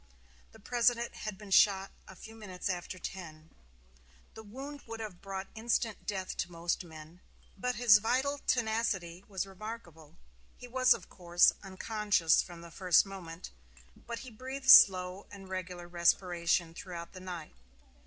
The President had been shot a few minutes after ten. The wound would have brought instant death to most men, but his vital tenacity was remarkable. He was, of course, unconscious from the first moment; but he breathed with slow and regular respiration throughout the night.